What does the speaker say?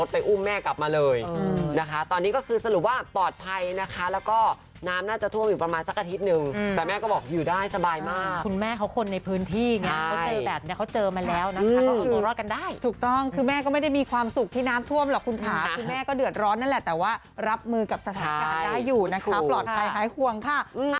พื้นที่เนี่ยเค้าเจอมาแล้วนะคะก็ออกมารอดกันได้ถูกต้องคือแม่ก็ไม่ได้มีความสุขที่น้ำท่วมหรอกคุณพาคคือแม่ก็เดือดร้อนนั่นแหละแต่ว่ารับมือกับสถานการณ์ได้อยู่นะคะปลอดภัยหายควงค่ะ